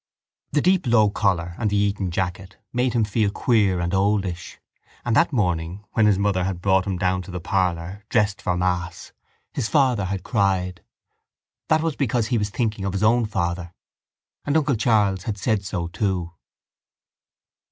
The deep low collar and the Eton jacket made him feel queer and oldish: and that morning when his mother had brought him down to the parlour, dressed for mass, his father had cried. That was because he was thinking of his own father. And uncle Charles had said so too.